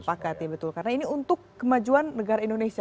pakat ya betul karena ini untuk kemajuan negara indonesia